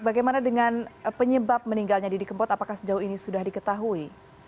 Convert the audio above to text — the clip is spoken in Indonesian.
bagaimana dengan penyebab meninggalnya didi kempot apakah sejauh ini sudah diketahui